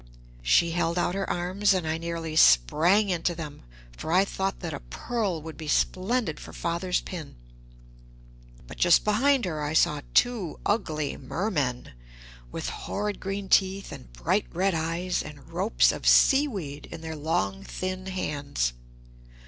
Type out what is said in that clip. She held out her arms and I nearly sprang into them, for I thought that a pearl would be splendid for Father's pin. But just behind her I saw two ugly mermen, with horrid green teeth and bright red eyes, and ropes of seaweed in their long thin hands.